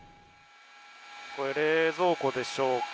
冷蔵庫でしょうか。